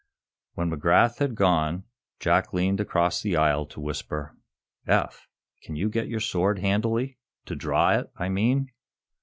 _" When McGrath had gone Jack leaned across the aisle to whisper: "Eph, can you get at your sword handily to draw it, I mean?"